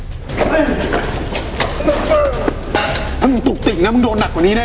ถ้ามึงตุกติกนะมึงโดนหนักกว่านี้แน